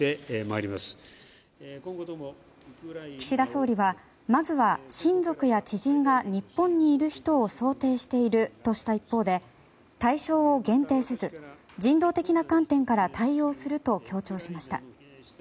岸田総理はまずは親族や知人が日本にいる人を想定しているとした一方で対象を限定せず人道的な観点から対応すると強調しました。